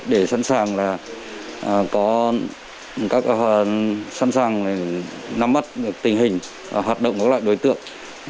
để sẵn sàng nắm mắt tình hình hoạt động các loại đối tượng